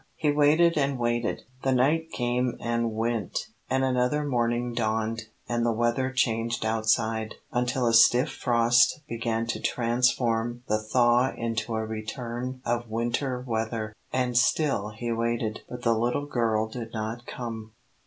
He waited and waited. The night came and went, and another morning dawned, and the weather changed outside, until a stiff frost began to transform the thaw into a return of winter weather and still he waited, but the little girl did not come.